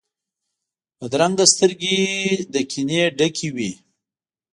بدرنګه سترګې له کینې ډکې وي